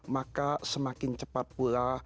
maka semakin cepat pula